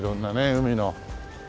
海の。